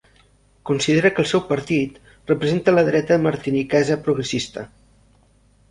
Considera que el seu partit representa la dreta martiniquesa progressista.